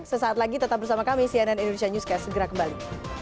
sesaat lagi tetap bersama kami cnn indonesia newscast segera kembali